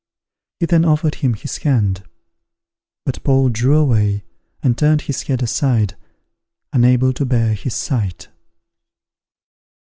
He then offered him his hand; but Paul drew away and turned his head aside, unable to bear his sight.